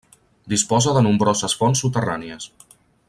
Disposa de nombroses fonts soterrànies.